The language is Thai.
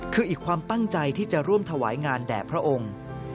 คืออีกความตั้งใจที่จะร่วมถวายงานแด่พระองค์